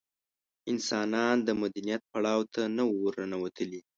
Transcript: انسانان د مدنیت پړاو ته نه وو ورننوتلي.